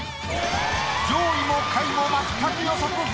上位も下位も全く。